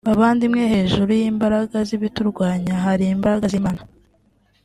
Bavandimwe hejuru y’imbaraga z’ibiturwanya hari imbaraga z’Imana